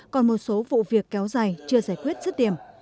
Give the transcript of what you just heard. còn một số vụ việc kéo dài chưa giải quyết rứt điểm